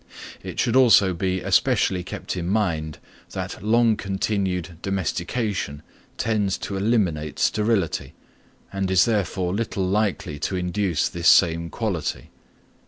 It should also be especially kept in mind, that long continued domestication tends to eliminate sterility, and is therefore little likely to induce this same quality.